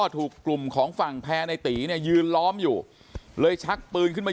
ถูกกลุ่มของฝั่งแพร่ในตีเนี่ยยืนล้อมอยู่เลยชักปืนขึ้นมา